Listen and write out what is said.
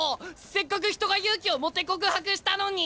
せっかく人が勇気を持って告白したのに！